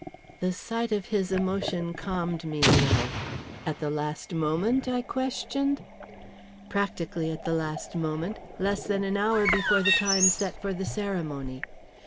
The sight of his emotion calmed me a little. "At the last moment?" I questioned. "Practically at the last moment less than an hour before the time set for the ceremony.